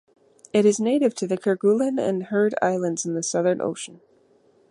It is native to the Kerguelen and Heard Islands in the Southern Ocean.